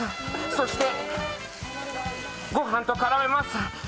そして、ご飯と絡めます。